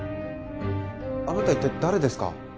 あなた一体誰ですか？